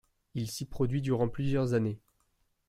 Il s'y produit durant plusieurs années.